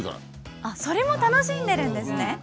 それも楽しんでるんですね！